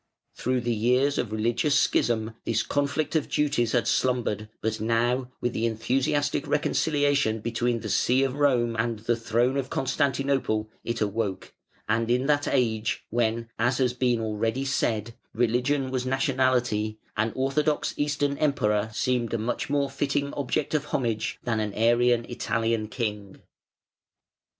Through the years of religious schism this conflict of duties had slumbered, but now, with the enthusiastic reconciliation between the see of Rome and the throne of Constantinople, it awoke; and in that age when, as has been already said, religion was nationality, an orthodox Eastern emperor seemed a much more fitting object of homage than an Arian Italian king.